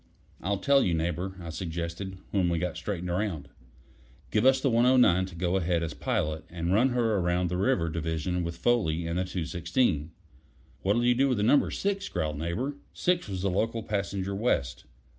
"I'll tell you, Neighbor," I suggested, when we got straightened around. "Give us the 109 to go ahead as pilot, and run her around the river division with Foley and the 216." "What'll you do with Number Six?" growled Neighbor. Six was the local passenger west.